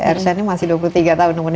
ersha ini masih dua puluh tiga tahun